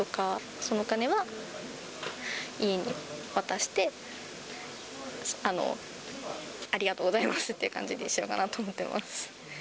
そのお金は家に渡して、ありがとうございますっていう感じにしようかなって思ってます。